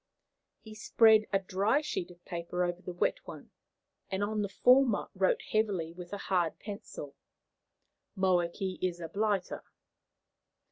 He spread a dry sheet of paper over the wet one, and on the former wrote heavily with a hard pencil, "Moakey is a bliter."